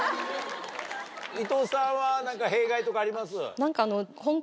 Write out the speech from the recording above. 伊藤さんは何か弊害とかあります？